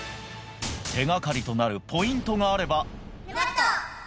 手掛かりとなるポイントがあれば沼っと！